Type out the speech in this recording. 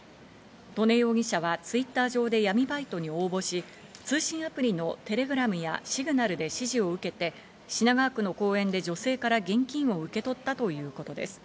刀禰容疑者はＴｗｉｔｔｅｒ上で闇バイトに応募し、通信アプリのテレグラムやシグナルで指示を受けて、品川区の公園で女性から現金を受け取ったということです。